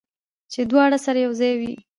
چې دواړه سره یو ځای وي